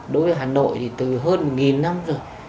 đối với hà nội thì từ hơn một năm rồi